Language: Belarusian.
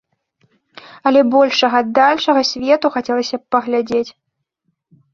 Але большага, дальшага свету хацелася б паглядзець.